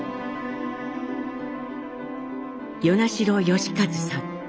与那城美一さん。